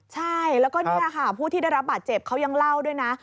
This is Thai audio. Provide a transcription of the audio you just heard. ใช่แล้วก็นี่ค่ะผู้ที่ได้รับบาดเจ็บเขายังเล่าด้วยนะ